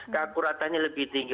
keakuratannya lebih tinggi